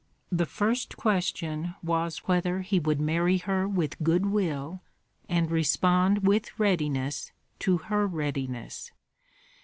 The first question was whether he would marry her with good will and respond with readiness to her readiness.